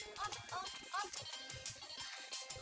yaudah pak om